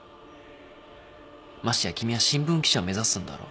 ましてや君は新聞記者目指すんだろ？